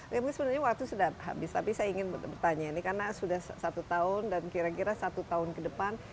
tapi sebenarnya waktu sudah habis tapi saya ingin bertanya ini karena sudah satu tahun dan kira kira satu tahun ke depan